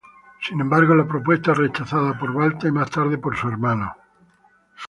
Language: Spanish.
Sin embargo, la propuesta es rechazada por Balta y más tarde por su hermano.